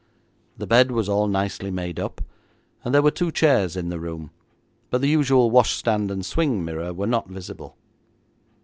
The bed was all nicely made up, and there were two chairs in the room, but the usual washstand and swing mirror were not visible.